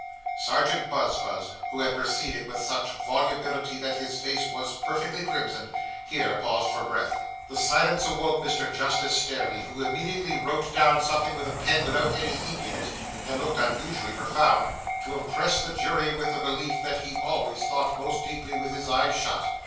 Serjeant Buzfuz, who had proceeded with such volubility that his face was perfectly crimson, here paused for breath. The silence awoke Mr. Justice Stareleigh, who immediately wrote down something with a pen without any ink in it, and looked unusually profound, to impress the jury with the belief that he always thought most deeply with his eyes shut.